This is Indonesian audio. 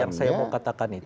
yang saya mau katakan itu